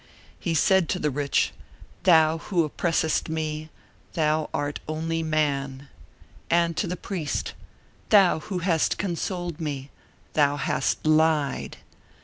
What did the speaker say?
He said to the rich: "Thou who oppressest me, thou art only man;" and to the priest: "Thou who hast consoled me, thou hast lied."